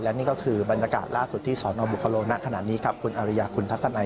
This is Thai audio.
และนี่ก็คือบรรยากาศล่าสุดที่สนบุคโลณขณะนี้ครับคุณอาริยาคุณทัศนัย